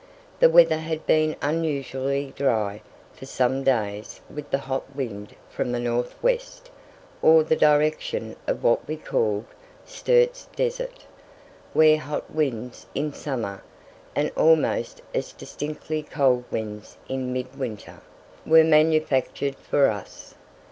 The weather had been unusually dry for some days with the hot wind from the north west, or the direction of what we called Sturt's Desert, where hot winds in summer, and almost as distinctly cold winds in midwinter, were manufactured for us.